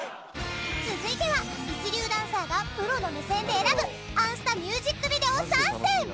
続いては一流ダンサーがプロの目線で選ぶ『あんスタ』ミュージックビデオ３選！